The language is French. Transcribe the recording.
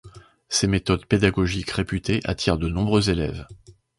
Ses méthodes pédagogiques réputées attirent de nombreux élèves.